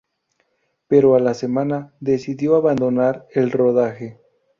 Pero a la semana, decidió abandonar el rodaje.